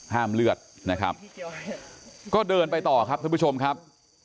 เลือดนะครับก็เดินไปต่อครับท่านผู้ชมครับ